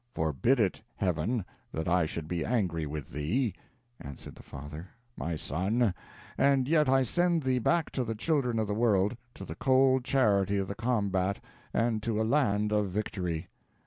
"Forbid it, Heaven, that I should be angry with thee," answered the father, "my son, and yet I send thee back to the children of the world to the cold charity of the combat, and to a land of victory.